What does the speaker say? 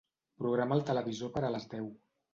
Programa el televisor per a les deu.